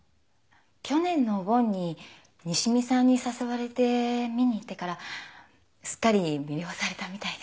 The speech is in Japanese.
去年のお盆に西見さんに誘われて見に行ってからすっかり魅了されたみたいで。